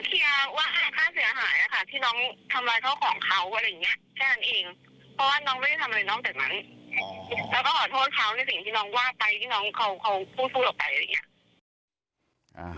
อืมก็เลยทางตาก็ต้องไปรับน้องออกมาค่ะ